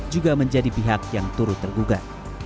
juga menjadi pihak yang turut tergugat